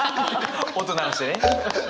音鳴らしてね。